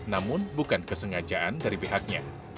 namun bukan kesengajaan dari pihaknya